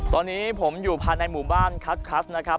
ตอนนี้ผมอยู่ภาษณ์ในหมู่บ้านคัตนะครับ